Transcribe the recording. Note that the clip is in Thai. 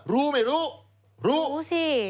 รู้ไม่รู้รู้รู้สิ